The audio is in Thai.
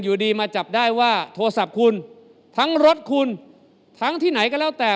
อยู่ดีมาจับได้ว่าโทรศัพท์คุณทั้งรถคุณทั้งที่ไหนก็แล้วแต่